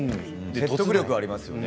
説得力がありますよね。